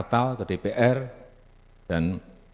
jumlah rp tujuh tujuh juta an